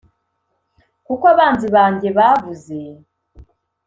Kuko abanzi banjye bavuze